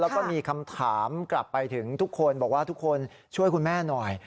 แล้วก็มีคำถามกลับไปถึงทุกคนบอกว่าทุกคนช่วยคุณแม่หน่อย